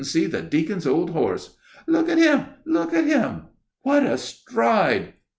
see the deacon's old horse!" "Look at him! look at him!" "What a stride!" etc.